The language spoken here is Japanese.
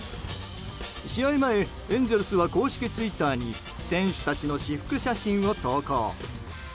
試合前、エンゼルスは公式ツイッターに選手たちの私服写真を投稿。